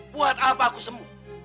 buat apa aku sembuh